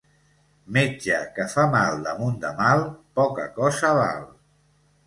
Metge que fa mal damunt de mal poca cosa val.